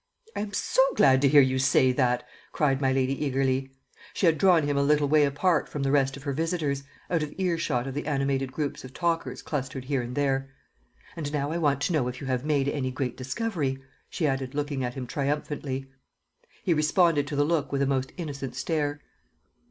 "I am so glad to hear you say that!" cried my lady eagerly. She had drawn him a little way apart from the rest of her visitors, out of earshot of the animated groups of talkers clustered here and there. "And now I want to know if you have made any great discovery?" she added, looking at him triumphantly. He responded to the look with a most innocent stare.